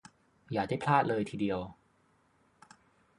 อย่าได้พลาดเลยทีเดียว